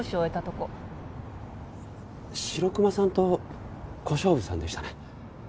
白熊さんと小勝負さんでしたね。